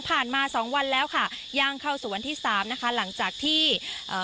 มาสองวันแล้วค่ะย่างเข้าสู่วันที่สามนะคะหลังจากที่เอ่อ